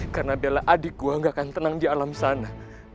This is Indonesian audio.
karena bella adik gua gak akan tenang di alam sana